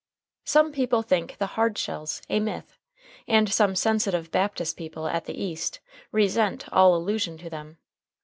Some people think the "Hardshells" a myth, and some sensitive Baptist people at the East resent all allusion to them.